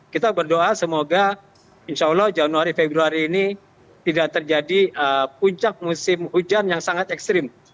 kita berdoa semoga insya allah januari februari ini tidak terjadi puncak musim hujan yang sangat ekstrim